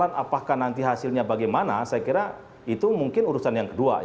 nah apakah nanti hasilnya bagaimana saya kira itu mungkin urusan yang kedua